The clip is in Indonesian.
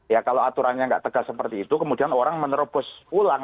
ya kalau aturannya nggak tegas seperti itu kemudian orang menerobos ulang